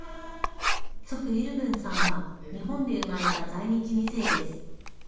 石日分さんは日本で生まれた在日２世です。